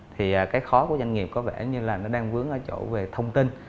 thì cái khó của doanh nghiệp có vẻ như là nó đang vướng ở chỗ về thông tin